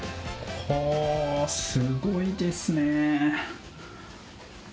すごいですね。